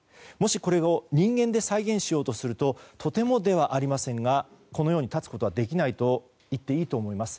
これを人間で再現しようとするととてもではありませんがこのように立つことはできないといっていいと思います。